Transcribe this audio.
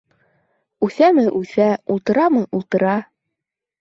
Үҫәме - үҫә, ултырамы - ултыра.